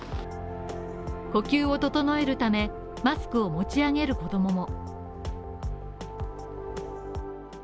呼吸を整えるため、マスクを持ち上げる子供も。